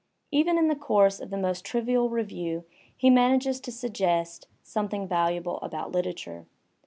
Even in the course of the most trivial review he manages to suggest something valuable about literature.